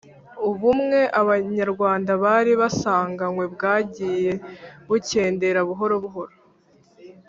ubumwe abanyarwanda bari basanganywe bwagiye bukendera buhoro buhoro.